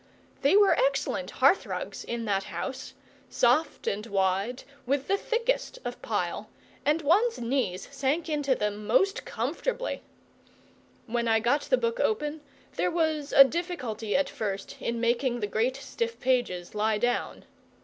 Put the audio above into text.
They were excellent hearthrugs in that house; soft and wide, with the thickest of pile, and one's knees sank into them most comfortably. When I got the book open there was a difficulty at first in making the great stiff pages lie down.